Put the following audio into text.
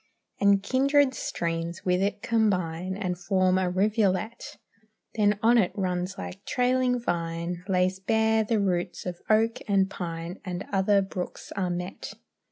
And kindred streams with it combine And form a rivulet; Then on it runs like trailing vine, Lays bare the roots of oak and pine, And other brooks are met.